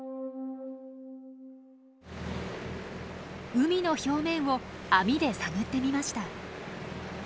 海の表面を網で探ってみました。